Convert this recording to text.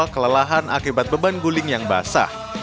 kelelahan akibat beban guling yang basah